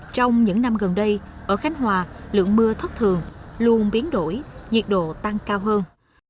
trong những năm gần đây ở khánh hòa lượng mưa thất thường luôn biến đổi nhiệt độ tăng cao hơn